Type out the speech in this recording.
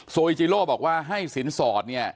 อิจิโร่บอกว่าให้สินสอดเนี่ย